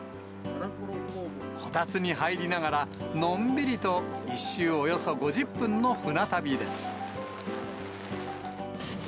こたつに入りながら、のんびりと１周およそ５０分の船旅です。